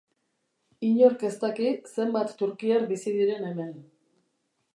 Inork ez daki zenbat turkiar bizi diren hemen.